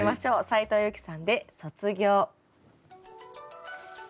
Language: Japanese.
斉藤由貴さんで「卒業」。